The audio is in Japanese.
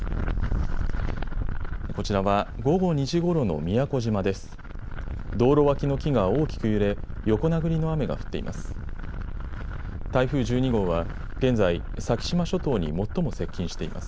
こちらは午後２時ごろの宮古島です。